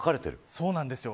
そうなんですよ。